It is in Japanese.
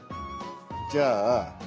じゃあ。